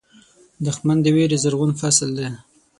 دښمن د وېرې زرغون فصل دی